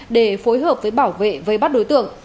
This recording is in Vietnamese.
để phối hợp với bảo vệ vây bắt đối tượng